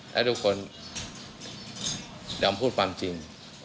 ถ้าทุกคนยำพูดความจริง